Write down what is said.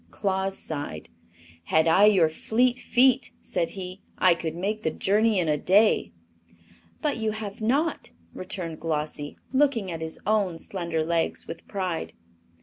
Claus sighed. "Had I your fleet feet," said he, "I could make the journey in a day." "But you have not," returned Glossie, looking at his own slender legs with pride.